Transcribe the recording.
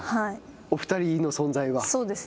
お２人の存在が？